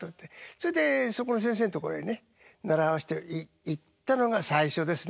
それでそこの先生のところへね習わしていったのが最初ですね。